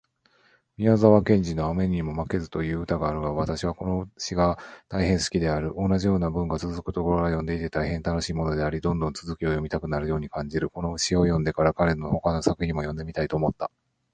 宮沢賢治のアメニモマケズという詩があるが私はこの詩が大変好きである。同じような文がつづくところが読んでいて大変楽しいものであり、どんどん続きを読みたくなるように感じる。この詩を読んでから、彼の他の作品も読んでみたいと思った。